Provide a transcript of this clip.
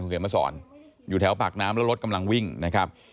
คนแข่งมัศรอยู่แถวปากน้ำรถกำลังวิ่งนะครับ